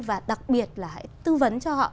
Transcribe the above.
và đặc biệt là hãy tư vấn cho họ